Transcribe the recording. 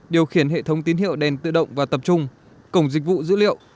điều khiển hệ thống tín hiệu đèn tự động và tập trung cổng dịch vụ dữ liệu